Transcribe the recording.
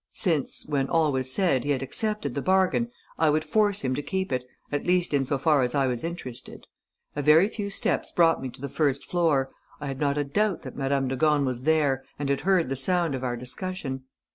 Since, when all was said, he had accepted the bargain, I would force him to keep it, at least in so far as I was interested. A very few steps brought me to the first floor ... I had not a doubt that Madame de Gorne was there and had heard the sound of our discussion.